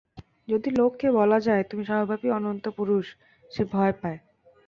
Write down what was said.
যদি লোককে বলা যায়, তুমি সর্বব্যাপী অনন্ত-পুরুষ, সে ভয় পায়।